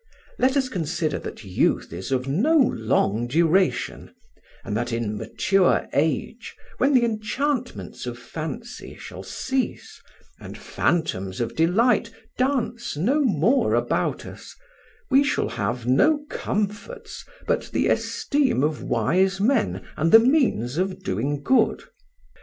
Let us consider that youth is of no long duration, and that in mature age, when the enchantments of fancy shall cease, and phantoms of delight dance no more about us, we shall have no comforts but the esteem of wise men and the means of doing good.